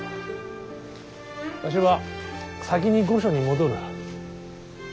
わしは先に御所に戻る。